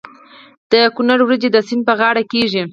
د کونړ وریجې د سیند په غاړه کیږي.